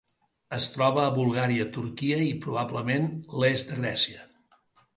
Es troba a Bulgària, Turquia i probablement l'est de Grècia.